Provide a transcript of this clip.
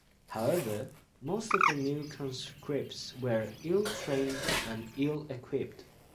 However, most the new conscripts were "ill-trained and ill-equipped".